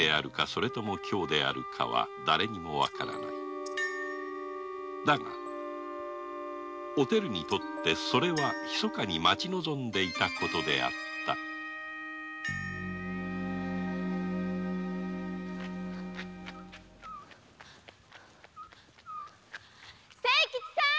それとも凶であるかはだれにもわからないだがお照にとってはひそかに待ち望んでいたことであった清吉さん。